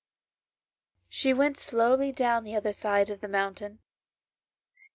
She went slowly down the other side of 'the mountain.